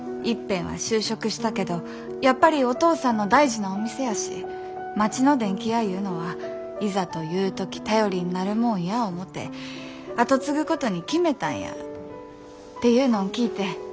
いっぺんは就職したけどやっぱりお父さんの大事なお店やし町の電器屋いうのはいざという時頼りになるもんや思て後継ぐことに決めたんやっていうのん聞いて。